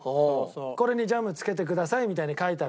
これにジャムつけてくださいみたいに書いてある。